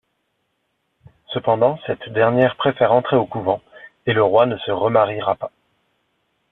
Cependant, cette dernière préfère entrer au couvent et le roi ne se remariera pas.